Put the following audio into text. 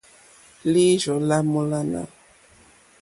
Lǐīrzɔ́ lá mòlânà.